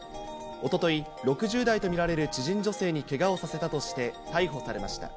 おととい、６０代と見られる知人女性にけがをさせたとして逮捕されました。